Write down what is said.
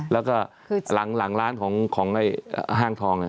แล้วก็หลังร้านของห้างทอง